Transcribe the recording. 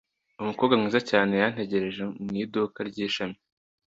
Umukobwa mwiza cyane yantegereje mu iduka ry’ishami.